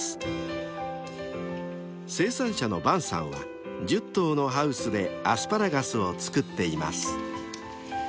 ［生産者の伴さんは１０棟のハウスでアスパラガスを作っています］